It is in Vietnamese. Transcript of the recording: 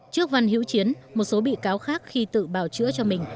trước văn hiễu chiến một số bị cáo khác khi tự bảo chữa cho mình